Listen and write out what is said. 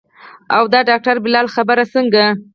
او د ډاکتر بلال خبره څنګه.